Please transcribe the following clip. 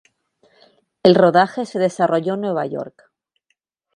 El rodaje se desarrolló en Nueva York.